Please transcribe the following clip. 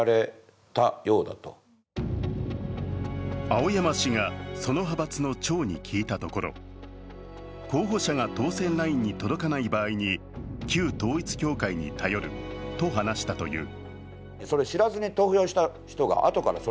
青山氏がその派閥の長に聞いたところ、候補者が当選ラインに届かない場合に旧統一教会に頼ると話したという。